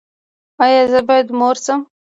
ایا زه باید مور شم؟